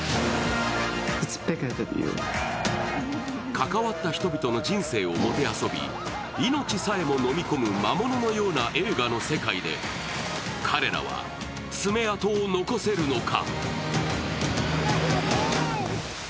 関わった人々の人生をもてあそび、命さえものみ込む魔物のような映画の世界で彼らは爪痕を残せるのか。